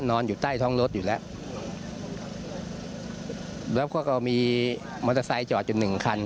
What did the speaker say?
อยู่ใต้ท้องรถอยู่แล้วแล้วก็มีมอเตอร์ไซค์จอดอยู่หนึ่งคัน